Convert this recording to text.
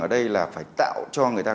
ở đây là phải tạo cho người ta